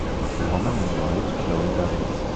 A woman in white blowing bubbles